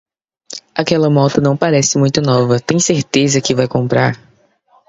Aquela moto não parece muito nova, tem certeza que vai comprar.